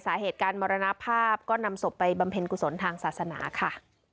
สาเหตุการมรณภาพก็นำศพไปบำเพ็ญกุศลทางศาสนาค่ะ